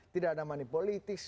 tidak ada money politik